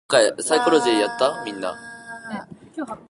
Both age and stage bear the same name.